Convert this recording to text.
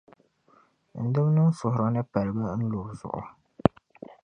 n dimnim’ suhuri ni paligi n lubu zuɣu.